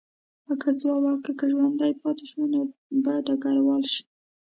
مک ځواب ورکړ، که ژوندی پاتې شوې نو به ډګروال شې.